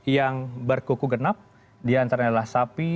yang berkuku genap diantaranya adalah sapi